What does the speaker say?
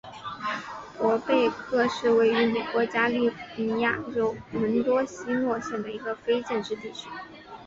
伯贝克是位于美国加利福尼亚州门多西诺县的一个非建制地区。